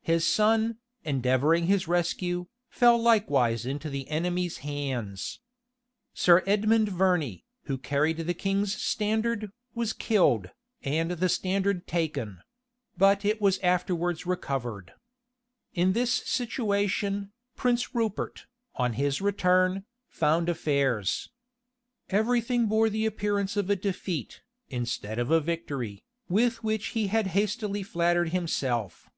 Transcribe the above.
His son, endeavoring his rescue, fell likewise into the enemy's hands. Sir Edmund Verney, who carried the king's standard, was killed, and the standard taken; but it was afterwards recovered. In this situation, Prince Rupert, on his return, found affairs. Every thing bore the appearance of a defeat, instead of a victory, with which he had hastily flattered himself.